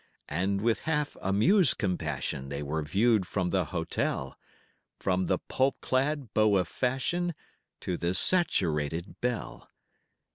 And with half amused compassion They were viewed from the hotel, From the pulp clad beau of fashion, To the saturated belle.